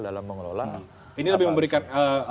dalam mengelola ini lebih memberikan